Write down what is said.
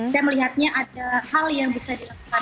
saya melihatnya ada hal yang bisa dilakukan